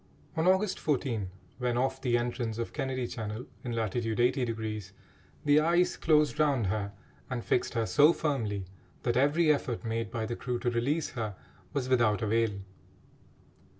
On August 14, when off the entrance of Kennedy Channel, in latitude 80°, the ice closed round her and fixed her so firmly that every effort made by the crew to release her was without avail.